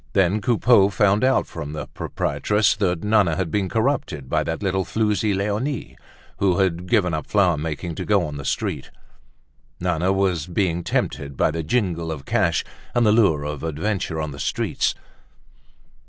Then Coupeau found out from the proprietress that Nana was being corrupted by that little floozie Leonie, who had given up flower making to go on the street. Nana was being tempted by the jingle of cash and the lure of adventure on the streets.